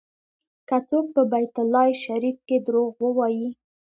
که څوک په بیت الله شریف کې دروغ ووایي.